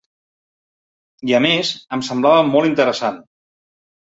I, a més, em semblava molt interessant.